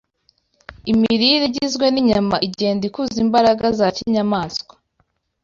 Imirire igizwe n’inyama igenda ikuza imbaraga za kinyamaswa